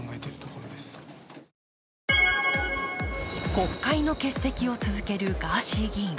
国会の欠席を続けるガーシー議員。